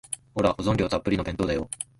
ほら、保存料たっぷりの弁当だよ。